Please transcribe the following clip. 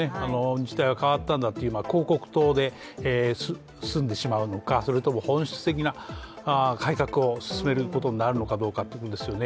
日大は変わったんだという、広告塔で済んでしまうのかそれとも本質的な改革を進めることになるのかどうかですよね。